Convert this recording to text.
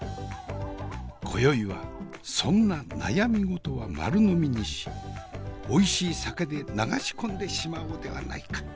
今宵はそんな悩み事は丸飲みにしおいしい酒で流し込んでしまおうではないか。